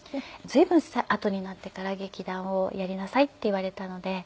随分あとになってから「劇団をやりなさい」って言われたので。